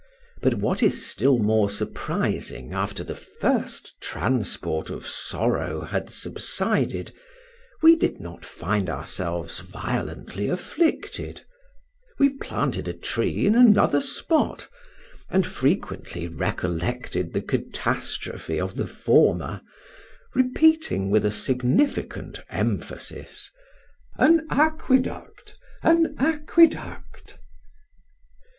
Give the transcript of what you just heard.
But what is still more surprising after the first transport of sorrow had subsided, we did not find ourselves violently afflicted; we planted a tree in another spot, and frequently recollected the catastrophe of the former, repeating with a significant emphasis, an aqueduct! an aqueduct!